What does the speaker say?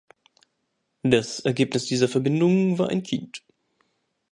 Das Ergebnis dieser Verbindungen war ein Kind.